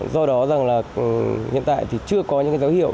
do đó rằng là hiện tại thì chưa có những dấu hiệu